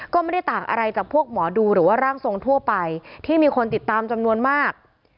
ก็ไม่ได้ต่างอะไรจากพวกหมอดูหรือว่าร่างทรงทั่วไปที่มีคนติดตามจำนวนมาก